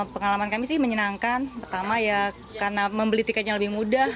pengalaman kami sih menyenangkan pertama ya karena membeli tiketnya lebih mudah